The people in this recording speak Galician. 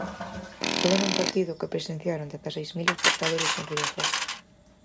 Todo nun partido que presenciaron dezaseis mil espectadores en Riazor.